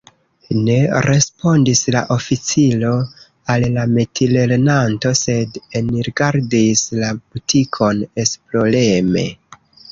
Ne respondis la oficiro al la metilernanto, sed enrigardis la butikon esploreme.